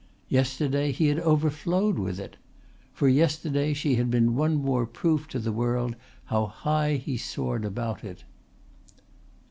Yesterday he had overflowed with it. For yesterday she had been one more proof to the world how high he soared above it.